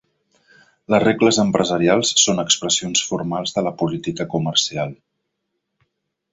Les regles empresarials són expressions formals de la política comercial.